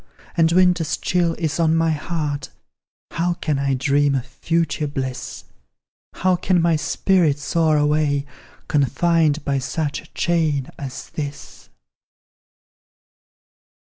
And winter's chill is on my heart How can I dream of future bliss? How can my spirit soar away, Confined by such a chain as this?